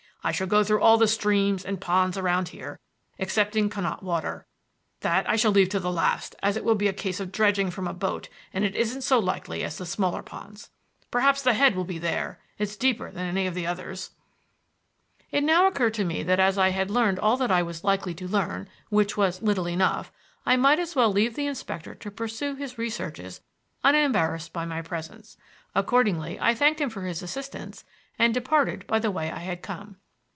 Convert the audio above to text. I shall go through all the streams and ponds around here, excepting Connaught Water. That I shall leave to the last, as it will be a case of dredging from a boat and isn't so likely as the smaller ponds. Perhaps the head will be there; it's deeper than any of the others." It now occurred to me that as I had learned all that I was likely to learn, which was little enough, I might as well leave the inspector to pursue his researches unembarrassed by my presence. Accordingly I thanked him for his assistance and departed by the way I had come.